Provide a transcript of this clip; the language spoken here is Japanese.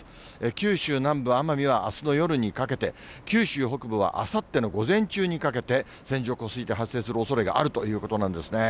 九州南部、奄美はあすの夜にかけて、九州北部はあさっての午前中にかけて、線状降水帯発生するおそれがあるということなんですね。